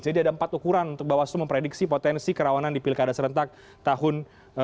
jadi ada empat ukuran untuk bawah selu memprediksi potensi kerawanan di pilkada serentak tahun dua ribu dua puluh